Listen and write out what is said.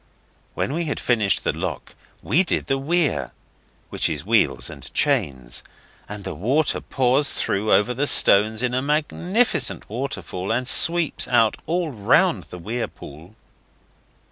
When we had finished the lock we did the weir which is wheels and chains and the water pours through over the stones in a magnificent waterfall and sweeps out all round the weir pool.